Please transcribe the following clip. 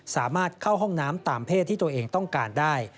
สามารถเข้าห้องน้ำตามเพศที่ตัวเองต้องการได้